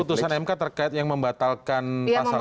ini putusan mk terkait yang membatalkan pasal itu